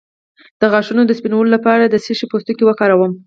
د غاښونو د سپینولو لپاره د څه شي پوستکی وکاروم؟